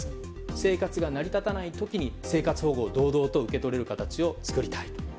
生活が成り立たない時に生活保護を堂々と受け取れる形を作りたい。